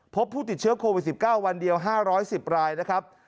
พบผู้ติดเชื้อโควิด๑๙วันเดียว๕๑๐รายนะครับ